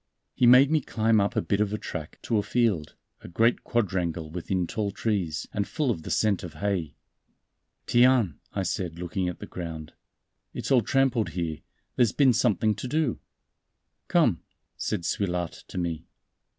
He made me climb up a bit of a track to a field, a great quadrangle within tall trees, and full of the scent of hay. "Tiens!" I said, looking at the ground, "it's all trampled here; there's been something to do." "Come," said Suilhard to me.